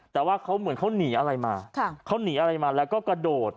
แต่ว่าเหมือนเขาหนีอะไรมาแล้วก็กระโดด